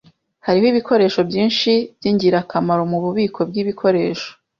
Hariho ibikoresho byinshi byingirakamaro mububiko bwibikoresho.